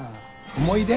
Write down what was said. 思い出。